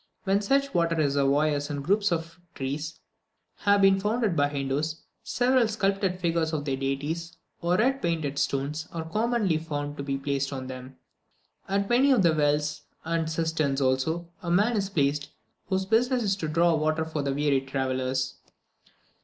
When such water reservoirs and groups of trees have been founded by Hindoos, several sculptured figures of their deities, or red painted stones, are commonly found placed on them. At many of the wells, and cisterns also, a man is placed, whose business it is to draw water for the weary travellers.